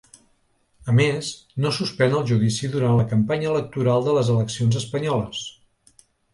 A més, no suspèn el judici durant la campanya electoral de les eleccions espanyoles.